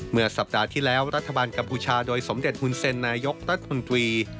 เมื่อสัปดาห์ที่แล้วรัฐบาลกัมพูชาโดยสมเด็จฮุนเซ็นนายกรัฐมนตรี